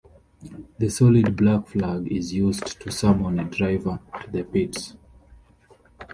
The solid black flag is used to summon a driver to the pits.